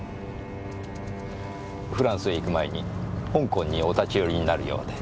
フランスへ行く前に香港にお立ち寄りになるようで。